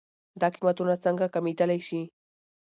دا قيمتونه څنکه کمېدلی شي؟